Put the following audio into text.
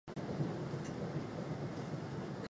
短吻吻鳗为糯鳗科吻鳗属的鱼类。